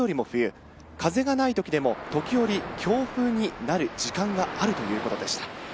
風がないときでも時折強風になる時間があるということでした。